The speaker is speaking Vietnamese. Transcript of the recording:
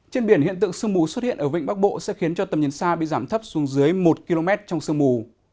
trên biển hiện tượng sương mù xuất hiện ở vịnh bắc bộ sẽ khiến cho tầm nhìn xa bị giảm thấp xuống dưới một km trong sương mù